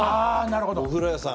お風呂屋さん。